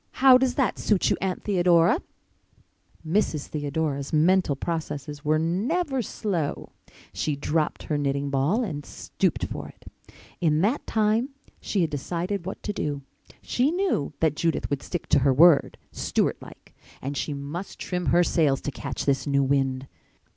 How does that suit you, Aunt Theodora?" Mrs. Theodora's mental processes were never slow. She dropped her knitting ball and stooped for it. In that time she had decided what to do. She knew that Judith would stick to her word, Stewart like, and she must trim her sails to catch this new wind.